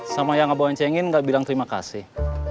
sama yang ngebawain cengin gak bilang terima kasih